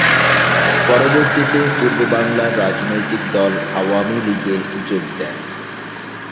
পরবর্তীতে পূর্ব বাংলার রাজনৈতিক দল আওয়ামী লীগে যোগ দেন।